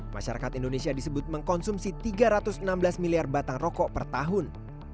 masyarakat indonesia disebut mengkonsumsi tiga ratus enam belas miliar batang rokok per tahun